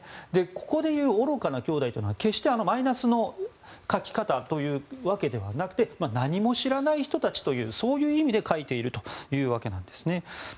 ここで言う愚かな兄弟というのは決して、マイナスの書き方というわけではなくて何も知らない人たちという意味で書いているわけです。